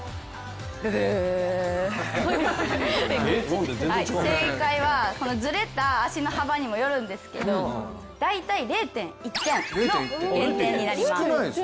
ブブー、正解は、このずれた足の幅にもよるんですが大体０．１点の減点になります。